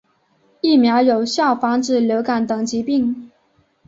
疫苗有效防止流感等疾病。